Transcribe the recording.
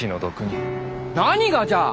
何がじゃ！